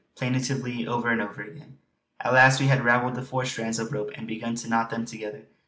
plaintively over and over again. At last we had ravelled the four strands of the rope and I began to knot them together.